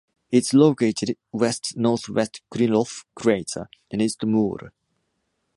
It’s located West-northwest Krylov crater, and East Moore.